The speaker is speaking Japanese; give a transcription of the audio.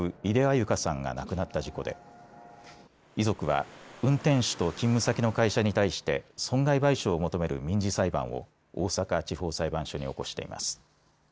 優香さんが亡くなった事故で遺族は運転手と勤務先の会社に対して損害賠償を求める民事裁判を大阪地方裁判所に起こしています。